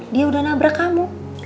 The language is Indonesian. dia udah nabrak kamu